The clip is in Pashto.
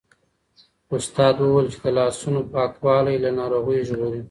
استاد وویل چې د لاسونو پاکوالی له ناروغیو ژغوري.